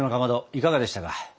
いかがでしたか？